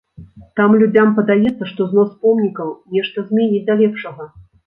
Там людзям падаецца, што знос помнікаў нешта зменіць да лепшага.